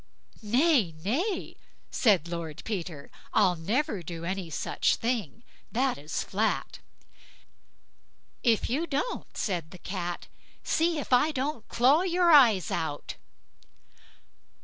"Nay, nay", said Lord Peter, "I'll never do any such thing, that's flat." "If you don't", said the Cat," see if I don't claw your eyes out."